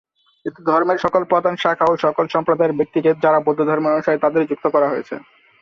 এতে ধর্মের সকল প্রধান শাখা ও সকল সম্প্রদায়ের ব্যক্তিকে, যারা বৌদ্ধ ধর্মের অনুসারী তাদের যুক্ত করা হয়েছে।